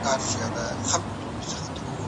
هر انسان د خپلواک ژوند حق لري.